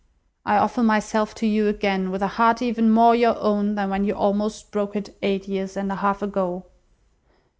I offer myself to you again with a heart even more your own than when you almost broke it, eight years and a half ago.